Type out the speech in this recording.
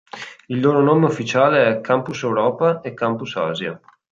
Il loro nome ufficiale è Campus Europa e Campus Asia.